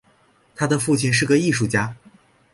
他的父亲是个艺术家。